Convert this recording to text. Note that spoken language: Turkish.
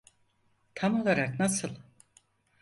Tam olarak nasıl?